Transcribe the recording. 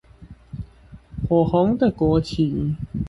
火紅的國旗